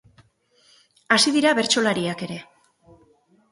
Hasi dira bertsolariak ere.